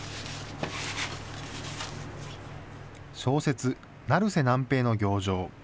小説、成瀬南平の行状。